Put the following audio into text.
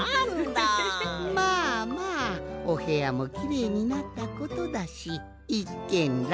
まあまあおへやもきれいになったことだしいっけんらくちゃくじゃ。